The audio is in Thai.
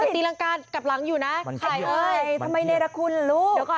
ตีลังกาลกลับหลังอยู่นะไข่เฮ้ยทำไมเนรคุณลูก